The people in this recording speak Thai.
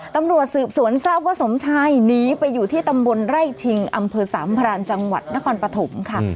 ตำรวจสืบสวนทราบว่าสมชายหนีไปอยู่ที่ตำบลไร่ชิงอำเภอสามพรานจังหวัดนครปฐมค่ะ